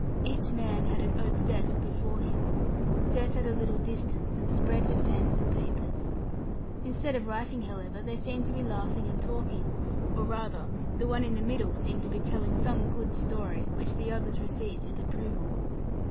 Each man had an oak desk before him, set at a little distance, and spread with pens and papers. Instead of writing, however, they seemed to be laughing and talking, or rather the one in the middle seemed to be telling some good story, which the others received with approval.